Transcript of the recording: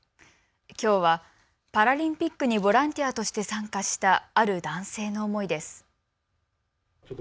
きょうはパラリンピックにボランティアとして参加したある男性の思いです。